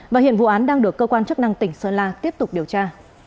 và hiện vụ án đang được cơ quan chức năng tỉnh sơn la tiếp tục điều tra